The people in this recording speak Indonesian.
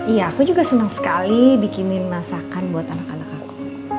iya aku juga senang sekali bikinin masakan buat anak anak aku